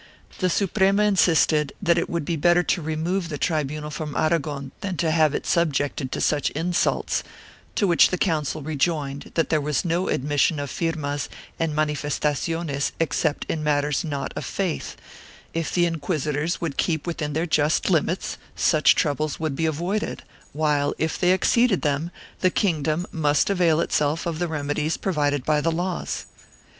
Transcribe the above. The Suprema insisted that it would be better to remove the tribunal from Aragon than to have it sub jected to such insults, to which the Council rejoined that there was no admission of firmas and manif estaciones except in matters not of faith; if the inquisitors would keep within their just limits, such troubles would be avoided, while, if they exceeded them, the kingdom must avail itself of the remedies provided by the laws.